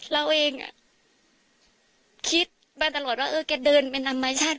เราเองคิดมาตลอดว่าเออแกเดินเป็นธรรมชาติ